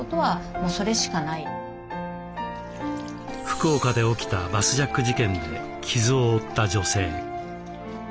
福岡で起きたバスジャック事件で傷を負った女性。